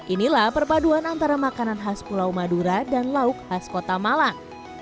inilah perpaduan antara makanan khas pulau madura dan lauk khas kota malang